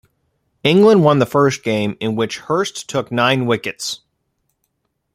England won the first game, in which Hirst took nine wickets.